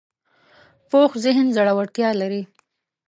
پوخ ذهن زړورتیا لري